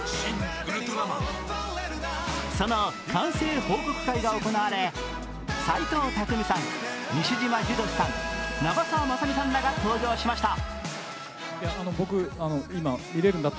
その完成報告会が行われ、斎藤工さん、西島秀俊さん、長澤まさみさんらが登場しました。